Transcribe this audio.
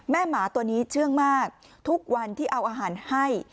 หมาตัวนี้เชื่องมากทุกวันที่เอาอาหารให้